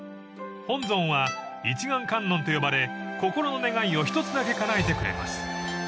［本尊は一願観音と呼ばれ心の願いを一つだけかなえてくれます］